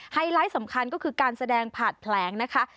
ไลท์สำคัญก็คือการแสดงผ่านแผลงนะคะ